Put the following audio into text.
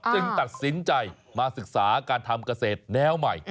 ตัดสินใจมาศึกษาการทำเกษตรแนวใหม่